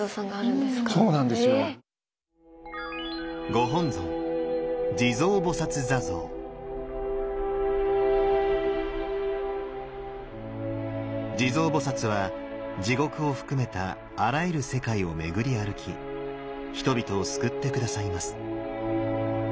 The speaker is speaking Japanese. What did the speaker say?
⁉ご本尊地蔵菩は地獄を含めたあらゆる世界を巡り歩き人々を救って下さいます。